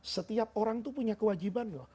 setiap orang itu punya kewajiban loh